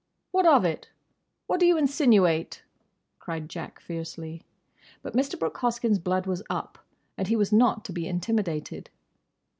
"What of it? What do you insinuate?" cried Jack fiercely. But Mr. Brooke Hoskyn's blood was up, and he was not to be intimidated.